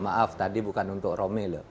maaf tadi bukan untuk romile